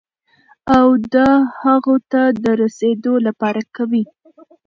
او د هغو ته د رسېدو لپاره قوي،